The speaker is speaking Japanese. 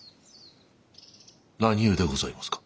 何故でございますか？